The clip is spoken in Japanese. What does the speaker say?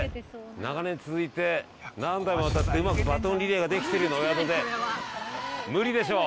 長年続いて何代もわたってうまくバトンリレーができてるようなお宿で。